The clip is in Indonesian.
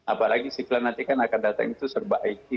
apalagi istiqlal nanti akan datang serba it